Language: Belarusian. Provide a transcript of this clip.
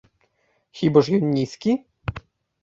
Хіба ж ён нізкі?